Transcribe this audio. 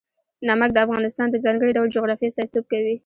نمک د افغانستان د ځانګړي ډول جغرافیه استازیتوب کوي.